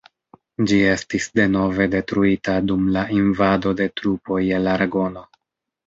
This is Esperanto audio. Ĝi estis denove detruita dum la invado de trupoj el aragono.